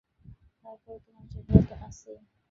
তারপর তোমার চেহারা তো আছেই!